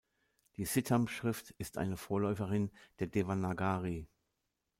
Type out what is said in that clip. Die Siddham-Schrift ist eine Vorläuferin der Devanagari.